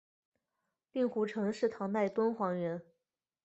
令狐澄是唐代敦煌人。